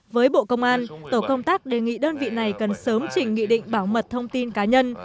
với bộ công an tổ công tác đề nghị đơn vị này cần sớm chỉnh nghị định bảo mật thông tin cá nhân